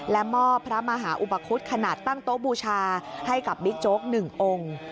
และมอบพระมหาอุปคุฎขนาดตั้งโต๊ะบูชาให้กับบิ๊กโจ๊ก๑องค์